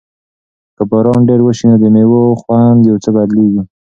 که باران ډېر وشي نو د مېوو خوند یو څه بدلیږي.